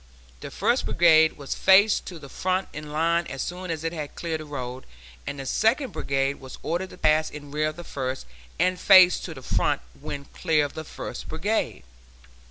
The First Brigade was faced to the front in line as soon as it had cleared the road, and the Second Brigade was ordered to pass in rear of the first and face to the front when clear of the First Brigade.